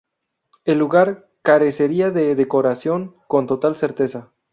El lugar carecería de decoración con total certeza.